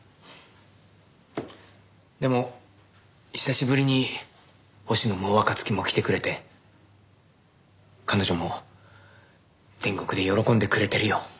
でも久しぶりに星野も若月も来てくれて彼女も天国で喜んでくれてるよ。